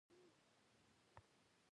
برېښنالک مو ولیکئ